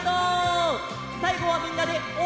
さいごはみんなで「おーい」だよ！